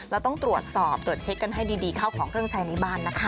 เราต้องตรวจสอบตรวจเช็คกันให้ดีเข้าของเครื่องใช้ในบ้านนะคะ